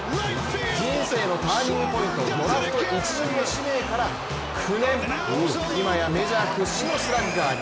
人生のターニングポイント、ドラフト１巡目指名から９年今やメジャー屈指のスラッガーに。